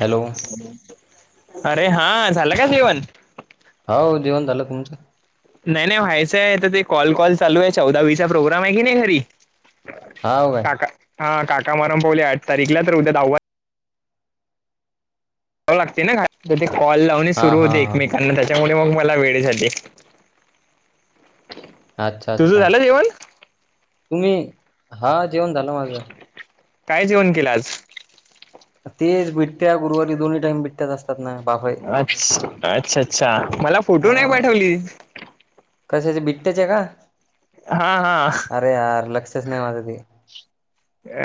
Hello अरे हा झालं का जेवण हो जेवण झालं तुमचं नाही नाही व्हायचंय आता ते कॉल कॉल चालू आहे चौदावी चा प्रोग्राम आहे की नाही घरी हाव काय काका हा काका मारम पावले आठ तारीखला तर उद्या दहावा लागते ना ते कॉल लावून हा सुरू हा होते हा एकमेकांना त्याच्यामुळे मग मला वेळ झाले अच्छा तुझं अच्छा अच्छा झालं जेवण तुम्ही हा जेवण झालं माझं काय जेवण केलं आज. तेज बुठ [inaudible] बाफळे अचं अच्छा, अच्छा, मफ. फोटो नाही. पाठवली. कशाचं बिटट्याचं आहे. का. हा. हा. अरे यार लक्षस नाही. माझी ते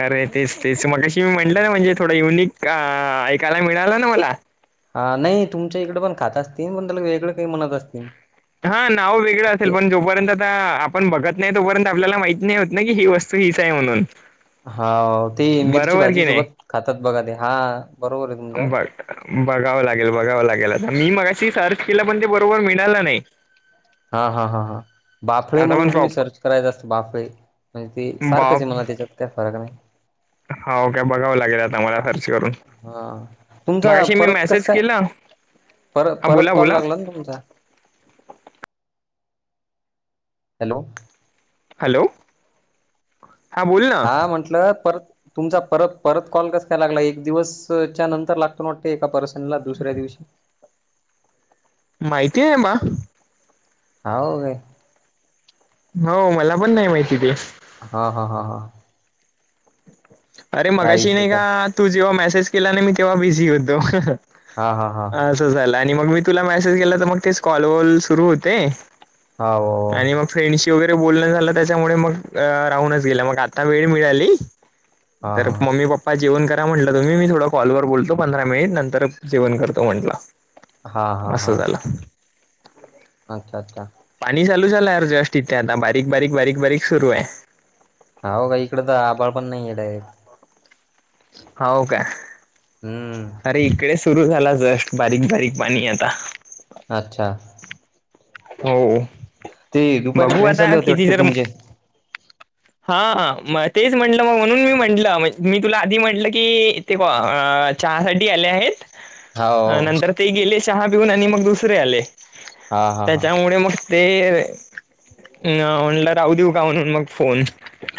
अरे तेचं तेचं मगशी मी म्हंटलं ना म्हणजे थोडं युनिक ऐकायला मिळालं ना मला. हा नाही तुमच्या इकडे पण खातं असतील पण त्याला वेगळं काही म्हणतं असतील हा नाव वेगळं असेलं ते पण जोपर्यंत आता आपण बघत नाही तोपर्यंत आपल्याला माहिती नाही. होत ना की ही वस्तू. फ्री आहे. म्हणून हाव ति मिरची बरोबर भाजी की नाही सोबत खातातं बघा ते हा बरोबर आहे तुमचं बघ बघावं लागेल बघावं लागेल मी मगाशी सर्च केलं पण ते बरोबर मिळालं नाही. हा हां हां बाफळे आता पण म्हणून तुम्ही प्रॉप सर्च करायचा असतं बाफळे म्हणजे ते सारखंच बाप म्हणा त्याच्यातं काय फरक नाही हा. ओके बघावं लागेल. आता मला सर्च करून हा तुमचं मगाशी मी परत कसं मेसेज काय. केला हा परत परत बोला कॉल बोला लागला. ना तुमचा हॅलो! हॅलो! हा बोल ना हा. म्हटलं परत तुमचा परत परत कॉल कसं काय लागला. एक दिवसच्या नंतर लागतो. एका पर्सन ला दुसऱ्या दिवशी माहिती आहे मंग, हाव, हो मला पण नाही. माहिती ते. हा. हा. हा. अरे काय मगाशी विषय नाही. काय का तू जेव्हा मेसेज केला. नाही. मी तेव्हा बिझी होतो. हा. हा. हा. असं झालं आणि मग मी तुला मेसेज केला मग तेचं कॉल वॉल सुरू होते. हाव आणि मग फ्रेंडशी वगैरे बोलणं झालं त्याच्यामुळे मंग राहूनचं गेलं मग आता वेळ मिळाली. हा तर. हा मम्मी पप्पा. जेवण करा म्हटलं तुम्ही मी थोडं कॉल वर बोलतो पंधरा मिनिट नंतर जेवण करतो. हा म्हंटल हा असं हा झाला. अच्छा, अच्छा, पाणी चालू झालं जस्ट इथं आता बारीक बारीक. बारीक. बारीक सुरू आहे. हाव का इकडं तर आभळ पण नाही. डायरेक्ट हाव का. हम्म अरे इकडेचं. सुरू झाला. जस्ट बारीक बारीक पाणी आता. अच्छा, हो ते दुपारी बघू फ्रेंड्स आता आले होते किती वाटते जर. तुमचे हा हा मं तेच म्हटलं मग म्हणून मी म्हंटलं मी तुला आधी म्हंटलं कि. हे ब चहा साठी आले. आहेत. हाव नंतर ते गेले सहा देऊन आणि मग दुसरे आले हा हा हा त्याच्यामुळे मंग. ते म्हलं राहू देऊ का म्हणून मगं फोन.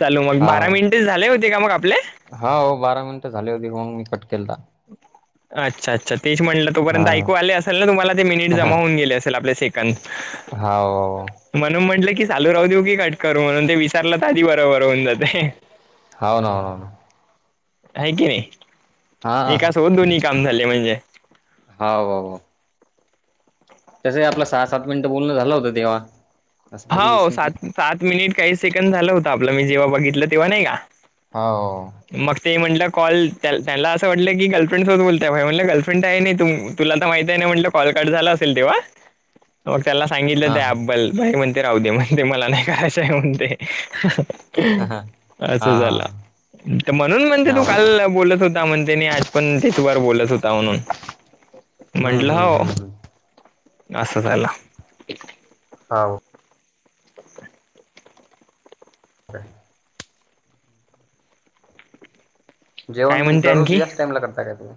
चलो मग बारा मिनिटे झाले होते का मग आपले. हाव हो बारा मिनिटं झाले होते का मगं मी कट केलंत. अच्छा अच्छा तेचं म्हटलं हा तोपर्यंत ऐकू आले असेल ना तुम्हाला ते मिनिट जमा होऊन गेले असेल आपल्या सेट का हाव [inaudible] म्हणून म्हटलं की चालू राहू देऊ की कट करू म्हणून ते विसरले तर आधी बरोबर होऊनं जाते. हाव ना हो ना न आहे की नाही हा हाव एकासोबत दोन्ही काम झाले म्हणजे हो हो तसं आपला सहा सात मिनटं बोलणं झालं होतं तेव्हा असं काही हो विषय नाही सात सात मिनिट काही सेकंड झालं होत आपलं मी जेव्हा बघितलं तेव्हा नाही का? हो मग ते म्हटलं कॉल त्यांना असं वाटलं की गर्लफ्रेंडसोबत बोलताय म्हटलं गर्लफ्रेड आहे नाही तु तुला तर माहिती आहे ना म्हटलं कॉल कट झाला असेल तेव्हा मग त्याला सांगितलं हा त्या हा ॲपबद्दल ते म्हणते राहू दे म्हणते मला नाही करायचं आहे म्हणतंय. हा हा असं हा झाला म्हणून म्हणते तू हाव काल बोलत होत हो म्हण त्यांनी आज पण त्याचबर बोलत होता म्हणून, हम्म म्हंटलं हम्म हो. हम्म हम्म असं झालं. हा [unintelligible] [unintelligible] जेवण काय मग म्हणते दररोज आणखी याच टाइमला करता काय तुम्हीं?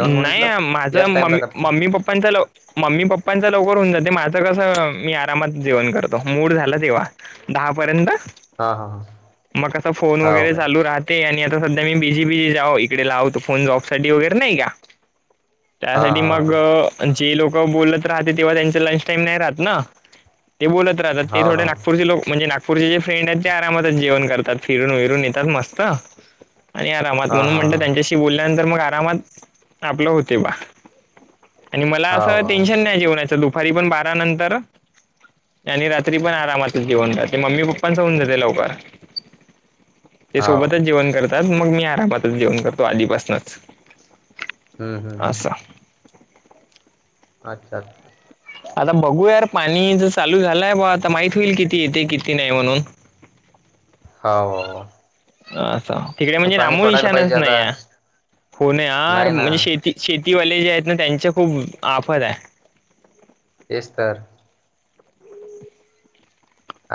नाही माझा टाइमला ममी करता काय मम्मी पप्पांचा लव मम्मी पप्पांचा लवकर होऊन जाते माझं कसं मी आरामात जेवण करतो मूड झालं तेव्हा दहा पर्यंत हा हा हा मग कसा फोन हाव वगैरे काय चालू राहत ते आणि आता सध्या मी बिझी बिझी जा इकडे लाव तो फोन जॉब साठी वगैरे नाही का हा त्यासाठी मग हा जी लोक बोलत राहते तेव्हा त्यांची लाइफ टाईम नाही राहत ना. ते बोलत राहतात ते हाव ना थोडे नागपूरचे लोक म्हणजे पुढचे जे फ्रेंड आहेत ते आरामातच जेवण करतात फिरून विरून येतात मस्त आणि आरामात हा म्हणून हा म्हणत हा त्यांच्याशी बोलल्यानंतर मग आरामात आपलं होते बा [inaudible] आणि मला असं हाव हाव टेन्शन नाही जेवणाचं दुपारी पण बारा नंतर आणि रात्री पण [inaudible] आरामात जेवण जाते मम्मी पप्पाचं होऊन जाते लवकर ते हाव सोबतच काय जेवण करतात मग मी आरामातच जेवण करतो आधीपासनच ह-ह-हं अच्छा- अच्छा आता बघू यार पाणी ज चालू झालंय बुवा आता माहित नाही, किती येतंय किती नाही म्हणून? हाव असं तिकडे नाही, म्हणजे पाणी नामो पडायला पाहिजे निशाणच नाही आता आहे हो न यार नाही ना म्हणजे शेती शेतीवाले जे आहेत ना त्यांच्या खूप आफत आहे. तेच तर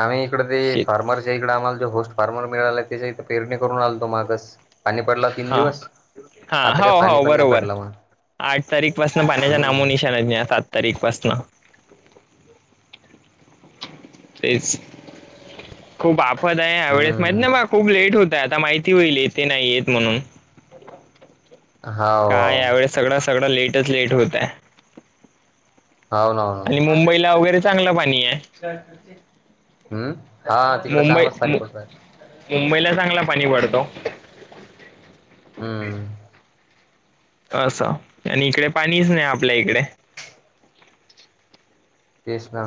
आम्ही इकड ते शेत फार्मर इकडं आम्हाला तो होस्ट फार्मर मिळाला त्याच्या प्रेरणी करून आलतो, मागस पाणी पडला तीन हा दिवस हा आता काय हो पाणी हो पण नाही बरोबर पडलं मग आठ तारीख पासंन पाण्याच्या नामो हम्म निशाणाच नाही आठ तारीख पासन तेच खूप [inaudible] आफत आहे यावेेळेस माहित हम्म नाही बा खूप लेट होत आता माहिती होईल येतंय, नाही येत म्हणून. हाव काय हाव यावेळेस सगळं -सगळं लेटच लेट होतय [inaudible] हाव ना, हाव ना. [inaudible] [unintelligible] क पाणी आहे हम्म [unintelligible] हा तिकड मुंबई चांगलंच पाणी मु- पडून राहिलं. मुंबईला चांगला पाणी पडतो. [inaudible] हम्म असं आणि इकडे पाणीच नाही आपल्या इकडे तेच ना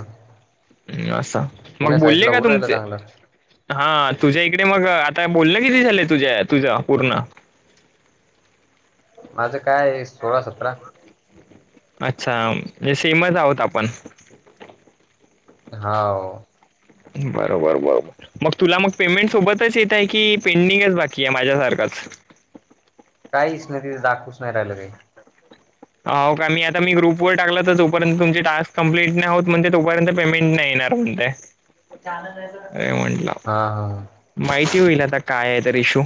असं मग पुण्या बोलले साईडला का होऊ राहिलं तुमचे चांगलं [unintelligible] हा तुझ्या इकडे मग आता बोललं किती झालंय तुझ्या -तुझं पूर्ण माझं काय सोळा सतरा [unintelligible] अच्छा म्हणे सेमच आहोत आपण [inaudible] हाव बरोबर- बरोबर मग तुला मग पेमेंट सोबतच येतय की पेंडिंगच बाकी आहे माझ्यासारखंच? काहीच नाही तिथे दाखवूच नाही राहिलेले हाव का मी आता मी ग्रुपवर टाकला तर तोपर्यंत तुमचे टस्क कम्प्लीट नाही होत म्हणते तोपर्यंत पेमेंट नाही येणार णय [unintelligible] नंद [unintelligible] हा हा माहिती होईल आता काय आहे तर इशू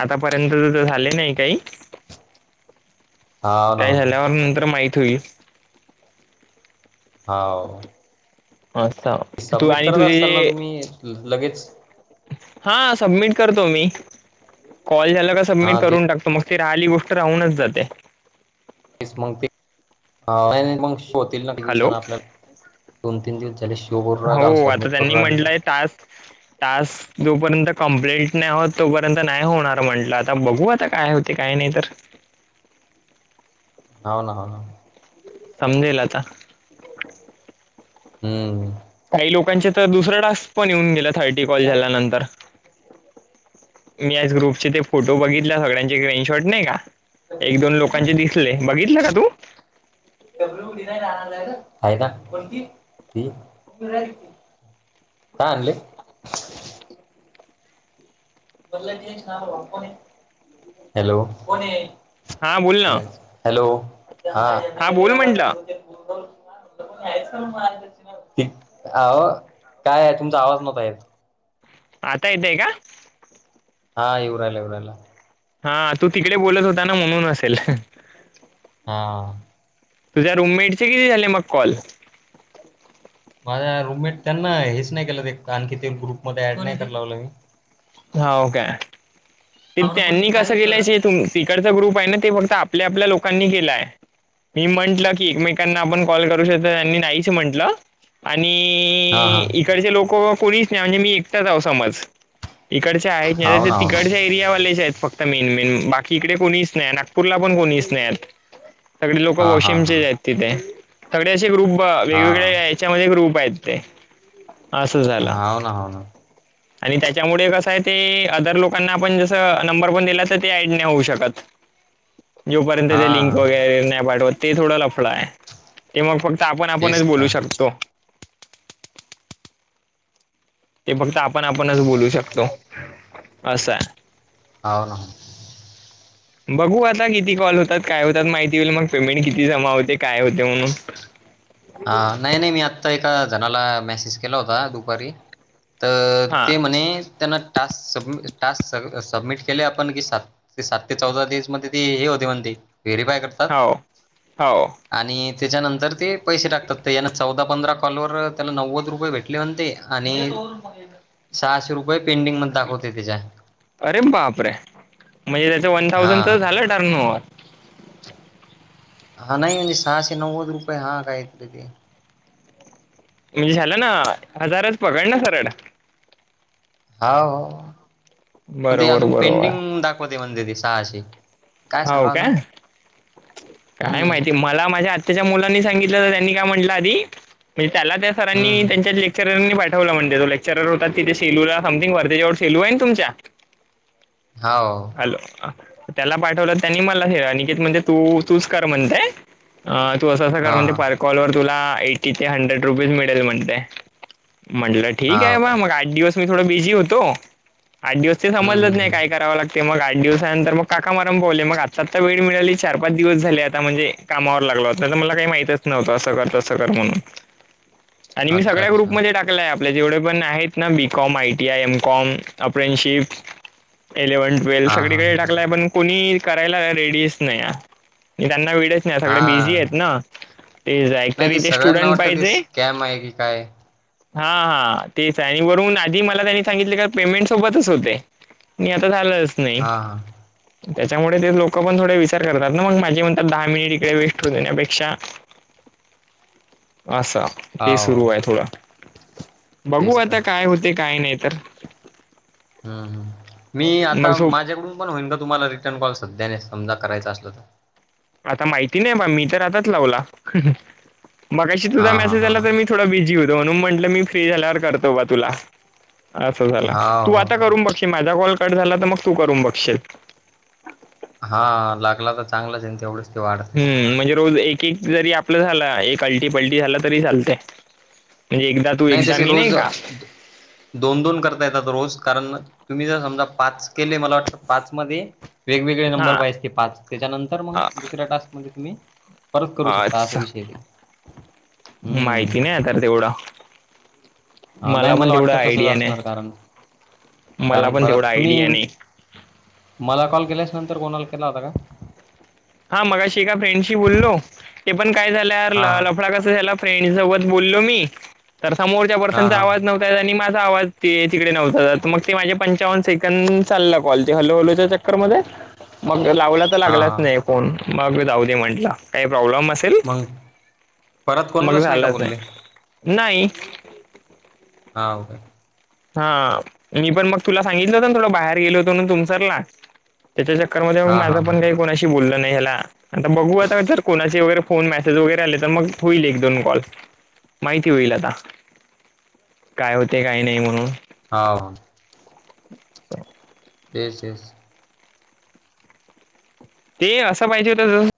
आतापर्यंत तर -तर झाले नाही काही [inaudible] हाव ना काय हो झाल्यावर ना नंतर माहित होईल हाव अससाम [unintelligible] सबमिट करत असताल ना तुम्ही लगेच? हा सबमिट करतो मी कॉल झाला का सबमिट हा करून टाकतो मग ते राहिली गोष्ट राहूनच जाते [unintelligible] शो ना दिवसा हॅलो आपल्याला दोन तीन दिवस झाले करून राहिला हो आता सबमिट करून त्यांनी राहिलो तर म्हटलंय टास्क- टास्क जोपर्यंत कंप्लेंट नाही आहत तोपर्यंत नाही होणार म्हंटलं आता बघू आता काय होते काय नाही तर हाव ना -हाव ना समजेल आता हम्म. काही लोकांचे तर दुसरं टास्क पण येऊन गेलं थर्टी कॉल झाल्यानंतर. मी आज ग्रुपचे ते फोटो बघितल्या सगळ्यांचे स्क्रीनशॉट नाही कां. एक दोन लोकांचे दिसले बघितलं का तू? आहे ना कोणती ती. काय आणलय? हॅलो. हा बोल ना हॅलो हा. बोल म्हंटलं अ काय आहे तुमचा आवाज नव्हता येत. आता येतंय का? हा इवरायला इवराला. हा तू तिकडे बोलत होता ना म्हणून असेल. हा. तुझ्या रूममेट चे किती झाले मग कॉल? माझ्या रूममेट त्यांना हेच नाही केलं ते आणखी ते ग्रुपमध्येध्ये ऍड नाही कर लावलं मी. हाव काय ते त्यांनी कसं केलायच तुम तिकडचा ग्रुप आहे ना ते फक्त आपल्या आपल्या लोकांनी केलाय. मी म्हटलं की एकमेकांना आपण कॉल करू शकतो त्यांनी नाहीच म्हंटलं. हा आणि हा इकडचे लोक कोणीच नाही म्हणजे मी एकटाच हाव समज. तिकडचे आहेत नाही हो ते ना हो ना तिकडच्या एरियावालेचे आहेत फ त मेन मेन बाकी इकडे कोणीच नाही नागपूरला पण कोणीच नाहीत. सगळे लोक हा हा वॉशिमचेच आहेत तिथे सगळे असे ग्रुप वेगवेगळे हा आहेत. च्या मध्ये ग्रुप आहेत असं झालं हा हो ना हो ना आणि त्यांच्या त त्या मुळे कसं आहे ते अदर लोकांना आपण जसं नंबर पण दिला तर ते ॲड नाही होऊ शकतं. जोपर्यंत ते लिंक हा वगैरे नाही पाठवत ते थोडं लफड आहे. ते मग फक्त आपण तेच आपणच बोलू तर शकतो. ते फक्त आपण आपणच बोलू शकतो असं आहे. आ. [inaudible] बघू आता किती कॉल होतात काय होतात माहिती होईल मग पेमेंट किती जमा होते काय होते म्हणून. आ नाही नाही मी आत्ता एका जणाला मेसेज केला होता दुपारी त हा ते म्हणे त्यांना टास्क स टास्क सबमिट केले आपण की सात ते सात ते चौदा दिवस मध्ये ती हे होते म्हणते ते व्हेरीफाय कर हो हो. आणि त्याच्यानंतर ते पैसे टाकतात यान चौदा पंधरा कॉलवर त्याला नव्वद रुपये भेटले म्हणते आणि सहाशे रुपय अरे बापरे! म्हणजे त्याच वन हा थाउजंड तर झालं. Turn over. हा नाही सहाशे नव्वद रुपये हा काय त ते. म्हणजे झाला ना हजारच पकड ना सरळ. हाव ते बरोबर अजून बरोबर पेंडींग दाखवते म्हणते ते सहाशे. हाव सांगाव आता काय? काय हम्म माहिती मला माझ्या आत्याच्या मुलानी सांगितलं त्यांनी काय म्हटलं आधी म्हणजे त्याला त्या सरांनी हम्म त्यांच्या लेक्चरांनी पाठ वला म्हणते तो लेक्चरर होता तिथं शेलूला समथिंग वर्धाच्या वर शेलू आहे ना तुमच्या. हाव. हॅलो त्याला पाठवलं त्यांनी मला हे अनिकेत म्हणते तू तूच कर म्हणतेय. अ तू असं अस कर हा म्हणजे हा पर कॉल वर तुला एटी ते हंड्रेड रुपीज मिळेल म्हणते म्हंटलं ठीक हाव आहे बा काय मग आठ दिवस मी थोडं बिझी होतो आठ दिवस ते हम्म समजलत हम्म नाही काय हम्म करावं लागत ते मग आठ दिवसानंतर मग काका मारम पावले मग आत्ता आता वेळ मिळाली चार पाच दिवस झाले आता म्हणजे कामावर लागला होत नाही तर मला काही माहितच नव्हतं असं कर तसं कर म्हणून. आणि मी अच्छा सगळ्या अच्छा ग्रुपमध्येध्ये टाक आपल्या जेवढे पण आहेत ना BCom ITI MCom apprenticeship eleven twelve हा हा सगळीकडे टाकलाय पण कोणी करायला रेडीच नाही त्यांना वड नाही सगळे हा बिझी आहेत ना. तेच आहे तर नाही ते इथे सगळ्यांना स्टुडंट वाटतं ते पाहिजे. स्कॅम आहे की काय हा हा तेच आहे आणि वरून आधी मला त्यांनी सांगितले का पेमेंट सोबतच होते. मी आता झालंच नाही हा हा त्याच्यामुळे ते लोक पण थोडे विचार करतात ना मग माझे म्हण. दहा मिनिट इकडे वेस्ट होऊ देण्यापेक्षा असं. ते सुरू हाव आहे थोडा बघू तेच तर आता काय होते काय नाही तर. हम्म ह् मी मग आता झोप माझ्याकडून पण होईन का तुम्हाला रिटर्न कॉल सध्याने समजा करायचा असल तर आता माहिती नाही बा मी तर आताच लावला मगाशी हा तुझा हा मेसेज हा आला तर मी थोडा बिझी होतो म्हणून म्हंटलं मी फ्री झाल्यावर करतो बा तुला असं झाला तू हाव आता हाव करून बघशील माझा कॉल कट झाला तर मग तू करून बघशील. हा लागला तर चांगलाच आहे तेवढंच. ते वाढते हम् म्हणजे रोज एक जरी आपलं झाला एक अलटी पलटी झाला तरी चालत म्हणजे एकदा तू एकदा तशी मी नाही रोज का. दोन दोन करता येतात रोज कारण तुम्ही जर समजा पाच केले मला वाटतं पाच मध्ये वेगवेगळे नंबर हा पाहिजचते पाच त्याच्यानंतर मग अ- दुसऱ्या टास्कमध्ये तुम्ही परत करू शकता असा अच्छा. विषय ते माहिती नाही आ तर तेवढं हा नाही पण मला तेवढं वाटत तसच आयडिया नाही. असणार कारण मला कारण पण परत तेवढा आयडिया तुम्ही नाही. मला कॉल केल्यास नंतर कोणाल केला होता का. हा मगाशी एका फ्रेंडशी बोललो ते पण काय झाल्या हा लफडा कसा झाला. फ्रेंड सोबत बोललो मी तर समोरच्या हा हा पर्सनचा हा आवाज नव्हत. आणि माझा आवाज ते तिकडे नव्हता जात मग ते माझे पंचावन्न सेकंड चालला कॉल ते हलो हलो त्या म मग लावला तर हा लागलाच हा नाही फोन मग जाऊ दे म्हंटलं काही प्रॉब्लेम अस मग परत मग कोणालाच का झालाच नाही बोलले नाही. हा काे. हा मी पण मग तुला सांगितलं होत ना थोडं बाहेर गेलो होतो म्हणून तुमसरला. त्याच्या चक्करमध्ये मग हा हा माझं हा पण काही कोणाशी बोललं नाही ह्याला. आता बघू आता जर कोणाचे वगैरे फोन मेसेज वगैरे आले तर मग होईल एक दोन कॉल. माहिती होईल आता काय होते काय नाही म्हणून. हो. [inaudible] ते [unintelligible] ते असं पाहिजे होतं जस